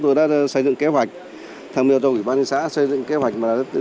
tinh thần đúng tại chỗ